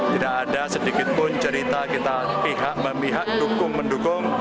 tidak ada sedikitpun cerita kita pihak memihak dukung mendukung